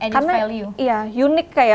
karena unik kayak